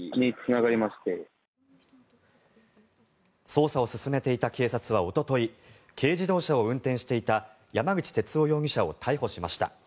捜査を進めていた警察はおととい軽自動車を運転していた山口哲男容疑者を逮捕しました。